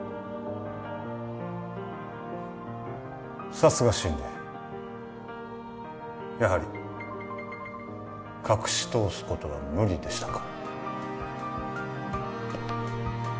さすがシンディーやはり隠しとおすことは無理でしたか